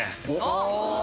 あっ！